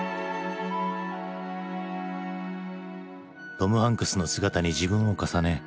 トム・ハンクスの姿に自分を重ね